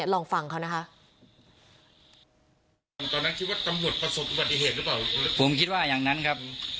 ลองฟังเขานะคะ